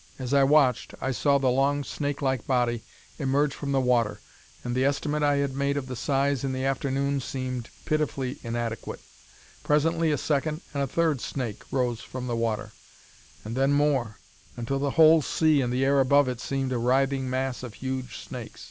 As I watched, I saw the long snake like body emerge from the water, and the estimate I had made of the size in the afternoon seemed pitifully inadequate. Presently a second and a third snake arose from the water, and then more, until the whole sea and the air above it seemed a writhing mass of huge snakes.